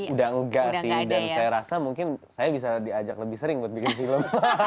udah enggak sih dan saya rasa mungkin saya bisa diajak lebih sering buat bikin film